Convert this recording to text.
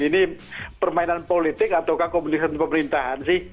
ini permainan politik ataukah komunikasi pemerintahan sih